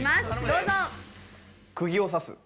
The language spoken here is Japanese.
どうぞ。